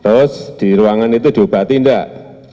terus di ruangan itu diobati enggak